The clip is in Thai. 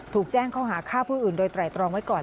ถูกแจ้งข้อหาฆ่าผู้อื่นโดยไตรตรองไว้ก่อน